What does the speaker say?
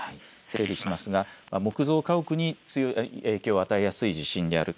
整理しますが、木造家屋に強い影響を与えやすい地震である。